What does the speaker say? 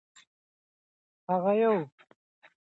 هغه یو سپین ټیکری له ځان سره لري.